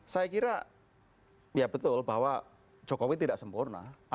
saya kira ya betul bahwa jokowi tidak sempurna